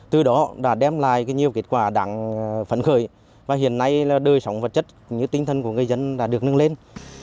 từ đó đã đem lại nhiều kết quả đáng phấn khởi và hiện nay là đời sống vật chất cũng như tinh thần của người dân đã được nâng lên